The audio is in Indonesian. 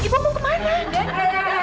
ibu mau kemana